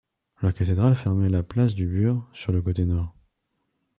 La cathédrale fermait la place du Burg sur le côté nord.